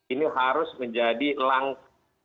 ini harus menjadi langkah